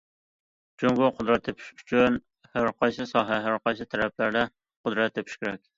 جۇڭگو قۇدرەت تېپىش ئۈچۈن، ھەرقايسى ساھە، ھەرقايسى تەرەپلەردە قۇدرەت تېپىش كېرەك.